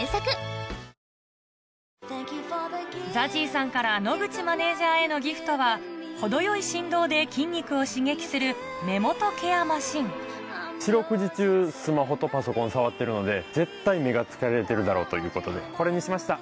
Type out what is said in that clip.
ＺＡＺＹさんから野口マネジャーへのギフトは程よい振動で筋肉を刺激する目元ケアマシン四六時中スマホとパソコン触ってるので絶対目が疲れてるだろうということでこれにしました！